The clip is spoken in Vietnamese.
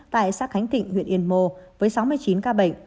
tại xã khánh tịnh huyện yên mô với sáu mươi chín ca bệnh